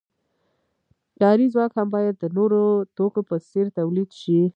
کاري ځواک هم باید د نورو توکو په څیر تولید شي.